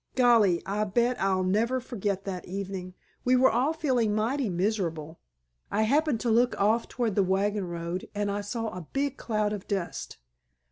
"Golly, I bet I'll never forget that evening! We were all feeling mighty miserable. I happened to look off toward the wagon road, and I saw a big cloud of dust.